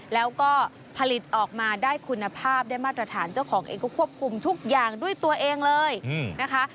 แล้วก็ผลิตออกมาได้คุณภาพได้มาตรฐานเจ้าของเองก็ควบคุมทุกอย่างด้วยตัวเองเลยนะคะ